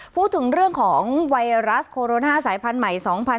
พูดถึงเรื่องของไวรัสโคโรนาสายพันธุ์ใหม่๒๐๑๖